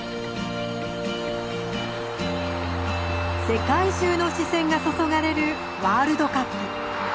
世界中の視線が注がれるワールドカップ。